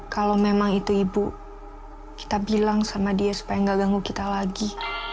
kalau memang itu ibu kita bilang sama dia supaya nggak ganggu kita lagi